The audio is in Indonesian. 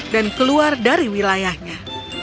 dan keluar dari wilayahnya